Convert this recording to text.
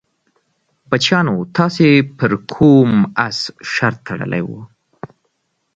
بچیانو تاسې پر کوم اس شرط تړلی وو؟